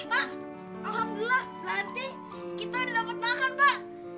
alhamdulillah berarti kita udah dapat makan pak